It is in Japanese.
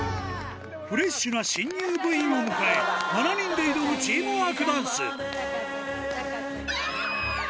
フレッシュな新入部員を迎え、７人で挑むチームワークダンス。